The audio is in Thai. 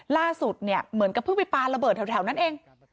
ล่าสุดเนี่ยเหมือนกับเพิ่งไปปลาระเบิดแถวนั้นเอง